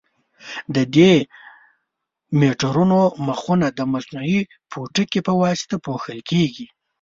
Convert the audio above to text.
د دې میټرونو مخونه د مصنوعي پوټکي په واسطه پوښل کېږي.